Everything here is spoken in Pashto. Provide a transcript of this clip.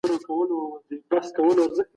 اسلام د عدالت او برکت دين دی.